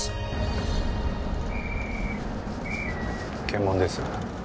検問です。